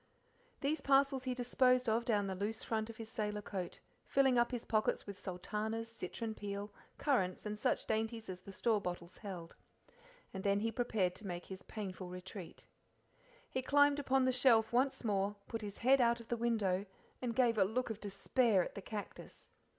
These parcels he disposed of down the loose front of his sailor coat, filling up his pockets with sultanas, citron peel, currants, and such dainties as the store bottles held. And then he prepared to make his painful retreat. He climbed upon the shelf once more, put his head out of the window, and gave a look of despair at the cactus.